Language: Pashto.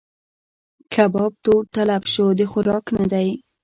کباب تور تلب شو؛ د خوراک نه دی.